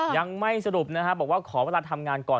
ยังไม่สรุปนะฮะบอกว่าขอเวลาทำงานก่อน